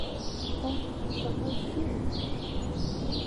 Оҳ, шаҟа иссирузеи!